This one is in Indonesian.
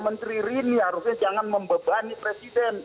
menteri rini harusnya jangan membebani presiden